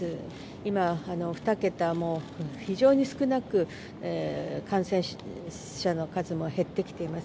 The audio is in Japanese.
今、２桁、もう非常に少なく感染者の数も減ってきています。